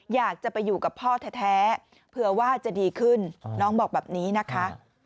อยากจะไปอยู่กับพ่อแท้เผื่อว่าจะดีขึ้นน้องบอกแบบนี้นะคะ